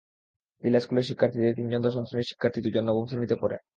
জিলা স্কুলের শিক্ষার্থীদের তিনজন দশম শ্রেণির শিক্ষার্থী, দুজন নবম শ্রেণিতে পড়ে।